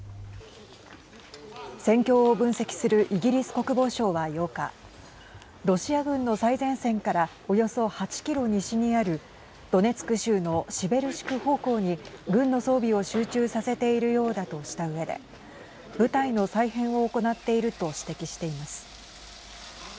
戦況を分析するイギリス国防省は８日ロシア軍の最前線からおよそ８キロ西にあるドネツク州のシベルシク方向に軍の装備を集中させているようだとしたうえで部隊の再編を行っていると指摘しています。